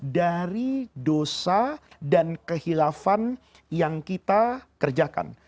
dari dosa dan kehilafan yang kita kerjakan